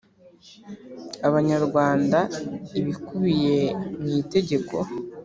Abanyarwanda ibikubiye mu itegeko